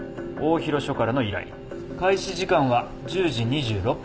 開始時間は１０時２６分。